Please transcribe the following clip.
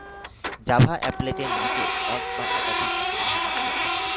Java অ্যাপলেট-এর নিচের এক বা একাধিক অসুবিধা আছে।